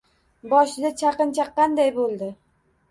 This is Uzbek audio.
Boshida chaqin chaqqanday bo‘ldi.